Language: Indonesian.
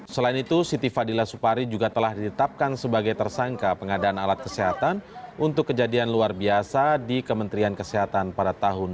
selain itu siti fadila supari juga telah ditetapkan sebagai tersangka pengadaan alat kesehatan untuk kejadian luar biasa di kementerian kesehatan pada tahun dua ribu dua